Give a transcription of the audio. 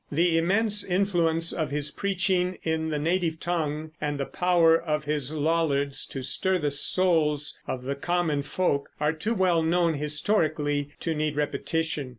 The immense influence of his preaching in the native tongue, and the power of his Lollards to stir the souls of the common folk, are too well known historically to need repetition.